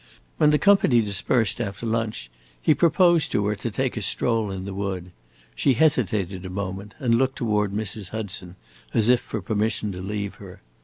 When the company dispersed, after lunch, he proposed to her to take a stroll in the wood. She hesitated a moment and looked toward Mrs. Hudson, as if for permission to leave her.